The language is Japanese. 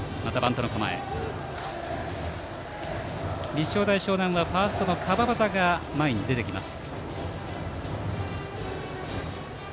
立正大淞南はファーストの川端が前に出てきます。